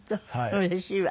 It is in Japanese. うれしいわ。